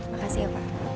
makasih ya pak